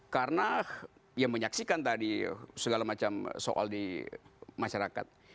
karena ya menyaksikan tadi segala macam soal di masyarakat